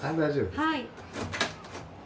はい。